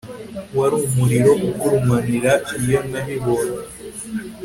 wari umuriro ugurumana iyo nabibonye